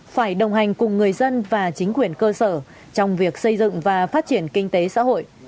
phải đồng hành cùng người dân và chính quyền cơ sở trong việc xây dựng và phát triển kinh tế xã hội